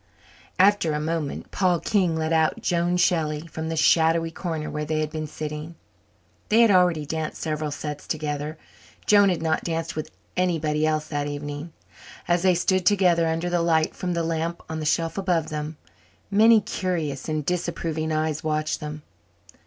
After a moment Paul King led out Joan Shelley from the shadowy corner where they had been sitting. They had already danced several sets together; Joan had not danced with anybody else that evening. As they stood together under the light from the lamp on the shelf above them, many curious and disapproving eyes watched them.